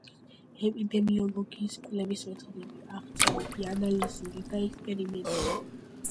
ეპიდემიოლოგიის კვლევის მეთოდებია: აღწერითი, ანალიზური და ექსპერიმენტული.